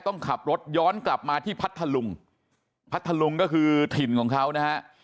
ต้องขับรถย้อนกลับมาที่พัทธลุงพัทธลุงก็คือถิ่นของเขานะฮะ